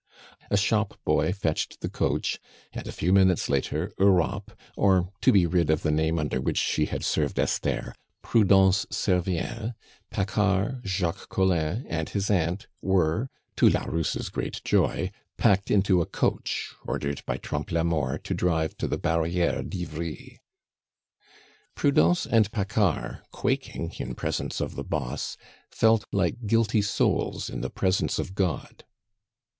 A shop boy fetched the coach, and a few minutes later Europe, or, to be rid of the name under which she had served Esther, Prudence Servien, Paccard, Jacques Collin, and his aunt, were, to la Rousse's great joy, packed into a coach, ordered by Trompe la Mort to drive to the Barriere d'Ivry. Prudence and Paccard, quaking in presence of the boss, felt like guilty souls in the presence of God.